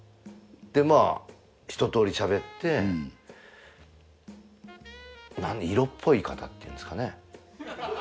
でまあ一とおりしゃべって色っぽい方っていうんですかね。